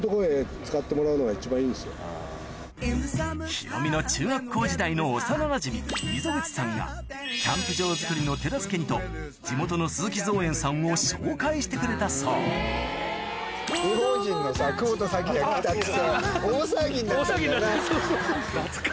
ヒロミの中学校時代の幼なじみ溝口さんがキャンプ場作りの手助けにと地元の鈴木造園さんを紹介してくれたそう大騒ぎになったそうそうそうそう。